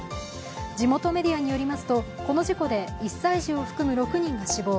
地元メディアによりますとこの事故で１歳児を含む６人が死亡。